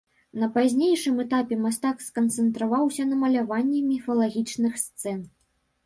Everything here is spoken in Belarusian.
На пазнейшым этапе мастак сканцэнтраваўся на маляванні міфалагічных сцэн.